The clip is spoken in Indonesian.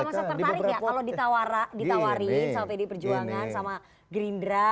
iya gak masak tertarik ya kalau ditawari pdi perjuangan sama gerindra